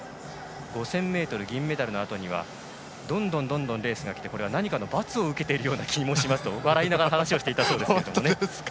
５０００ｍ銀メダルのあとにはどんどんレースがきてこれは何かの罰を受けているような気がしますと笑いながら話をしていたそうですけれども。